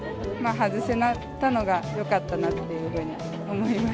外せたのがよかったなっていうふうに思います。